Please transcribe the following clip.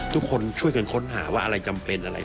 ทุกคนช่วยกันค้นหาว่าอะไรจำเป็นอะไร